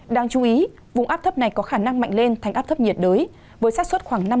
đáng chú ý vùng áp thấp này có khả năng mạnh lên thành áp thấp nhiệt đới với sát xuất khoảng năm mươi